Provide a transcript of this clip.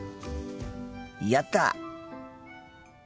やった！